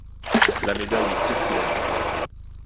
La médaille est circulaire.